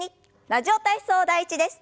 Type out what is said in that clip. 「ラジオ体操第１」です。